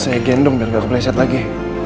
saya gendong biar gak kepleset lagi